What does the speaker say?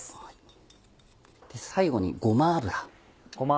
最後にごま油。